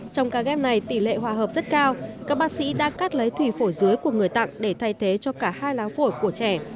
trong ca ghép này tỷ lệ hòa hợp rất cao các bác sĩ đã cắt lấy thủy phổi dưới của người tặng để thay thế cho cả hai láng phổi của trẻ